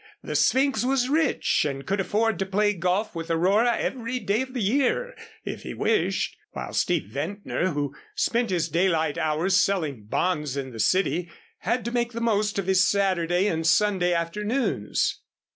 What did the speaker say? The Sphynx was rich and so could afford to play golf with Aurora every day of the year if he wished, while Steve Ventnor, who spent his daylight hours selling bonds in the city, had to make the most of his Saturday and Sunday afternoons.